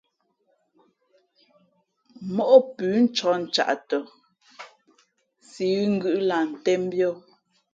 Móꞌ pʉ̌ ncāk ncaꞌ tα, si ghʉ̌ ngʉ̌ꞌ lah ntēn mbīᾱ.